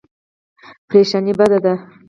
پریشاني بد دی.